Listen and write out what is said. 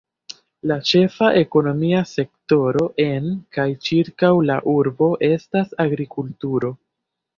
La ĉefa ekonomia sektoro en kaj ĉirkaŭ la urbo estas agrikulturo.